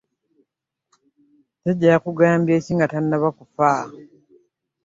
Jjajja yakugambye ki nga tanaba kufa?